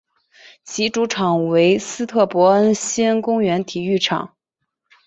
其主场为斯特伯恩希思公园体育场。